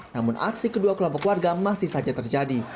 namun aksi kedua kelompok warga masih saja terjadi